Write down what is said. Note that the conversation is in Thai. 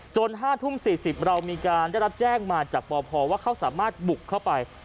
๕ทุ่ม๔๐เรามีการได้รับแจ้งมาจากปพว่าเขาสามารถบุกเข้าไป